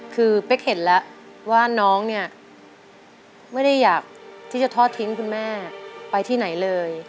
คือเป๊กเห็นแล้วว่าน้องเนี่ยไม่ได้อยากที่จะทอดทิ้งคุณแม่ไปที่ไหนเลย